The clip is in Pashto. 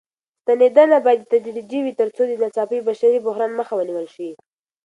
ستنېدنه بايد تدريجي وي تر څو د ناڅاپي بشري بحران مخه ونيول شي.